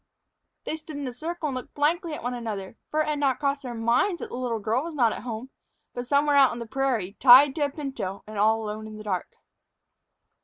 _" They stood in a circle and looked blankly at one another. For it had not crossed their minds that the little girl was not home, but somewhere out on the prairie, tied to a pinto, and all alone in the dark.